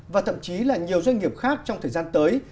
và thậm chí là nhiều doanh nghiệp khác trong thời gian tới